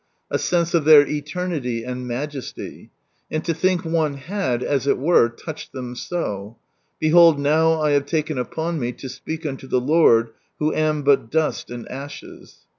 A sense of their eternity and majesty — and to think one had, as it were, touched them so—" Behold now I have taken upon rae to speak unto the Lord, who am but dust and ashes